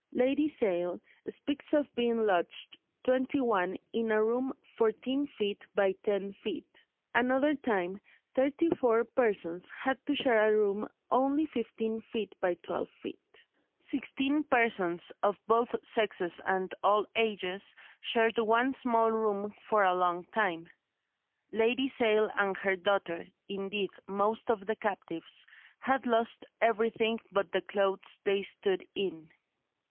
Lady Sale speaks of being lodged twenty one in a room fourteen feet by ten feet; another time thirty four persons had to share a room only fifteen feet by twelve feet; sixteen persons, of both sexes and all ages, shared one small room for a long time. Lady Sale and her daughter—indeed, most of the captives—had lost everything but the clothes they stood in.